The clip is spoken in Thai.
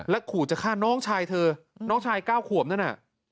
แล้วขู่จะฆ่าน้องชายเธอน้องชายก้าวขวมนั่นน่ะ